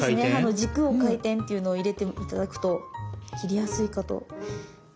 軸を回転っていうのを入れて頂くと切りやすいかと。